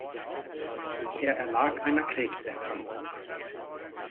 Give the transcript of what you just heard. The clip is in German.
Er erlag einer Krebserkrankung.